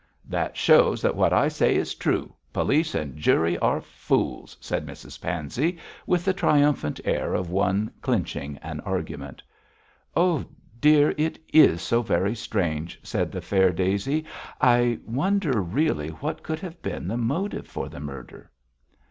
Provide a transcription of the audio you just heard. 'That shows that what I say is true. Police and jury are fools,' said Mrs Pansey, with the triumphant air of one clinching an argument. 'Oh, dear, it is so very strange!' said the fair Daisy. 'I wonder really what could have been the motive for the murder?'